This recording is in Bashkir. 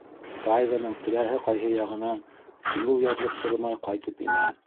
Тайганың теләһә ҡайһы яғынан юл яҙлыҡтырмай ҡайтып инә.